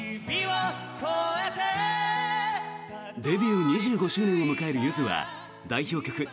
デビュー２５周年を迎えるゆずは代表曲